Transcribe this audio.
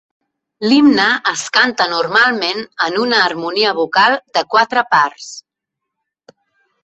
L'himne es canta normalment en una harmonia vocal de quatre parts.